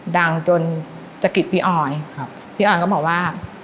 ดังจนสะกิดพี่ออยครับพี่ออยก็บอกว่า